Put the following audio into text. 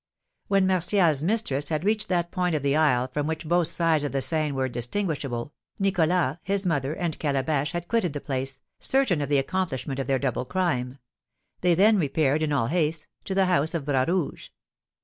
When Martial's mistress had reached that point of the isle from which both sides of the Seine were distinguishable, Nicholas, his mother, and Calabash had quitted the place, certain of the accomplishment of their double crime; they then repaired, in all haste, to the house of Bras Rouge.